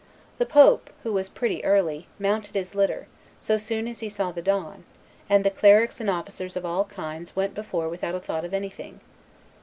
"The pope, who was pretty early, mounted his litter, so soon as he saw the dawn, and the clerics and officers of all kinds went before without a thought of anything.